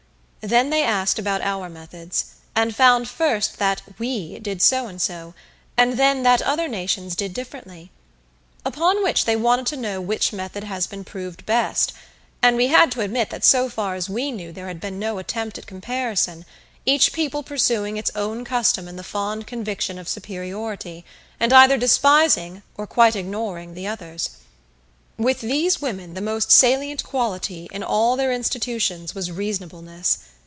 Then they asked about our methods, and found first that "we" did so and so, and then that other nations did differently. Upon which they wanted to know which method has been proved best and we had to admit that so far as we knew there had been no attempt at comparison, each people pursuing its own custom in the fond conviction of superiority, and either despising or quite ignoring the others. With these women the most salient quality in all their institutions was reasonableness.